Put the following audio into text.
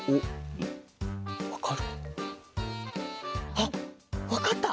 あっわかった！